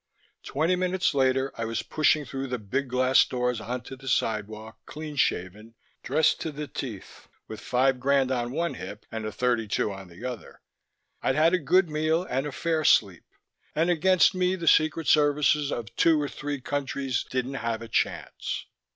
Twenty minutes later I was pushing through the big glass doors onto the sidewalk, clean shaven, dressed to the teeth, with five grand on one hip and a .32 on the other. I'd had a good meal and a fair sleep, and against me the secret services of two or three countries didn't have a chance.